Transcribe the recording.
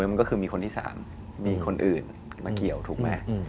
มันก็คือมีคนที่๓มีคนอื่นมาเกี่ยวถูกไหม